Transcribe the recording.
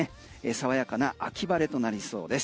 爽やかな秋晴れとなりそうです。